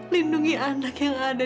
lindungi anak yang ada